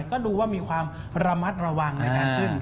ก็ดูว่ามีความระมัดระวังในการขึ้น